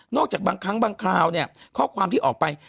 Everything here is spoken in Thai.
จากบางครั้งบางคราวเนี่ยข้อความที่ออกไป